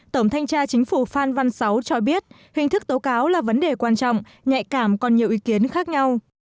tổng thanh tra chính phủ phan văn sáu cho biết hình thức tố cáo là vấn đề quan trọng nhạy cảm còn nhiều ý kiến khác nhau